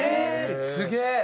すげえ！